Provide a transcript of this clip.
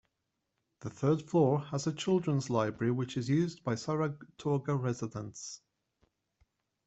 The third floor has a children's library which is used by Saratoga residents.